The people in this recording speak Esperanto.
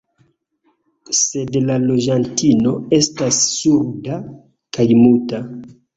Sed la loĝantino estas surda kaj muta.